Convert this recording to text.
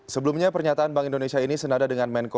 sebelumnya pernyataan bank indonesia ini senada dengan menko